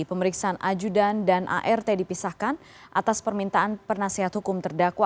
pemeriksaan ajudan dan art dipisahkan atas permintaan penasehat hukum terdakwa